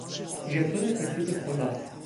ژتون رسید کلاه